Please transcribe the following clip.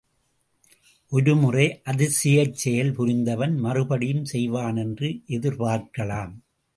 ஒரு முறை அதிசயச் செயல் புரிந்தவன் மறுபடியும் செய்வானென்று எதிர்பார்க்கலாம்.